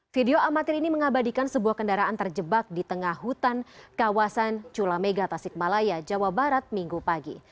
video amatir ini mengabadikan sebuah kendaraan terjebak di tengah hutan kawasan cula mega tasik malaya jawa barat minggu pagi